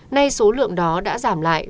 nay số lượng đó đã giảm lại